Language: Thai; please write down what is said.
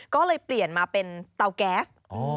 ก็เลยเปลี่ยนมาเป็นเตาแก๊ส